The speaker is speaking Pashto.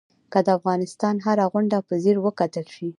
که د افغانستان هره غونډۍ په ځیر وکتل شي.